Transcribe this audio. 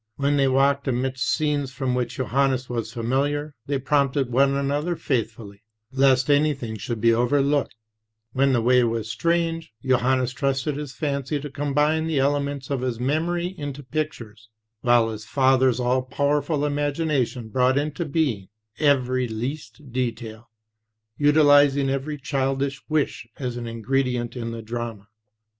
When they walked amidst scenes with which Johannes was familiar, they prompted one another faithfully, lest anything should be overlooked; when the way was strange, Johannes trusted his fancy to combine the elements of his memory into pictures, while his father's all powerful imagina tion brought into being every least detail, utilizing every childish wish as an ingredient in the drama.